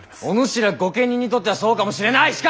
おぬしら御家人にとってはそうかもしれない。